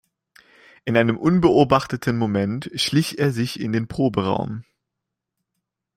In einem unbeobachteten Moment schlich er sich in den Proberaum.